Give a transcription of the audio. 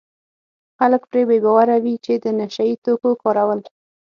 خلک پرې بې باوره وي د نشه یي توکو کارول.